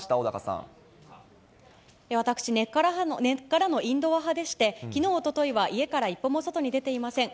私、根っからのインドア派でして、きのう、おとといは家から一歩も外に出ていません。